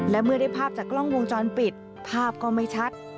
และเมื่อได้ภาพจากกล้องวงจรปิดภาพก็ไม่ชัด